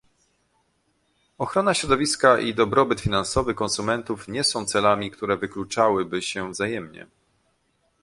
Ochrona środowiska i dobrobyt finansowy konsumentów nie są celami, które wykluczałyby się wzajemnie